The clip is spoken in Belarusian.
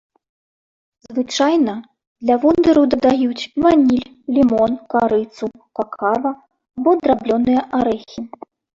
Звычайна для водару дадаюць ваніль, лімон, карыцу, какава або драблёныя арэхі.